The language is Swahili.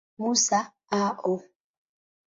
Musa, A. O.